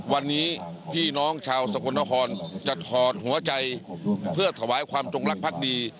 วันนี้พี่น้องชาวสกลนครจะถอดหัวใจเพื่อถวายความจงรักภักดี